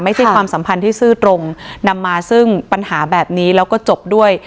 ความสัมพันธ์ที่ซื่อตรงนำมาซึ่งปัญหาแบบนี้แล้วก็จบด้วย